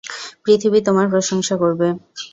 পৃথিবী তোমার প্রশংসা করবে।